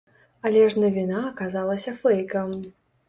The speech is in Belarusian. Але ж навіна аказалася фэйкам.